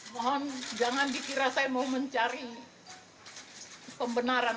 mohon jangan dikira saya mau mencari pembenaran